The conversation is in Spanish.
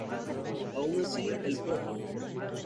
Aun así, el Prof.